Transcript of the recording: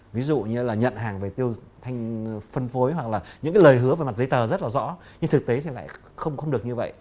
ví dụ như là nhận hàng về tiêu thanh phân phối hoặc là những cái lời hứa về mặt giấy tờ rất là rõ nhưng thực tế thì lại không được như vậy